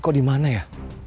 kau dimana ya